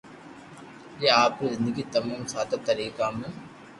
جي آپري زندگي تموم سادا طريقا مون